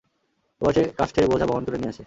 এবার সে কাষ্ঠের বোঝা বহন করে নিয়ে আসে।